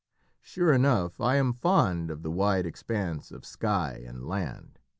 Sure enough I am fond of the wide expanse of sky and land.